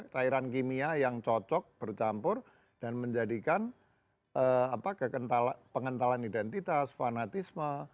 cairan kimia yang cocok bercampur dan menjadikan pengentalan identitas fanatisme